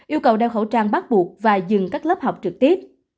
yêu cầu đeo khẩu trang bắt buộc và dừng các lớp học trực tiếp